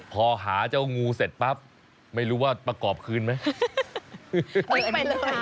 พอหาเจ้างูเสร็จปั๊บไม่รู้ว่าประกอบคืนไหม